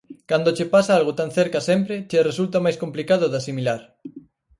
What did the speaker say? Cando che pasa algo tan cerca sempre che resulta máis complicado de asimilar.